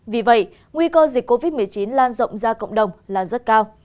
vì vậy nguy cơ dịch covid một mươi chín lan rộng ra cộng đồng là rất cao